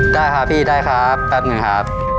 ได้ครับพี่ได้ครับแป๊บหนึ่งครับ